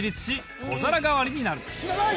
知らない！